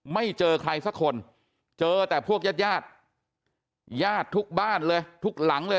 ไม่เจอใครสักคนเจอแต่พวกญาติญาติทุกบ้านเลยทุกหลังเลย